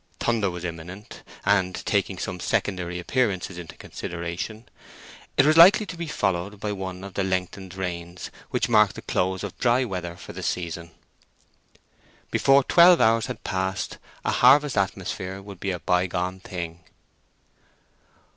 Thunder was imminent, and, taking some secondary appearances into consideration, it was likely to be followed by one of the lengthened rains which mark the close of dry weather for the season. Before twelve hours had passed a harvest atmosphere would be a bygone thing.